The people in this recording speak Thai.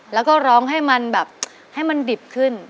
แล้วก็ร้องให้มันแบบให้มันดิบขึ้น